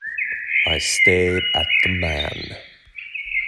I stared at the man.